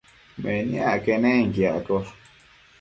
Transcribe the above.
Meniac quenenquiaccosh